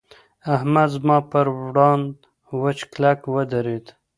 احمد زما پر وړاند وچ کلک ودرېد.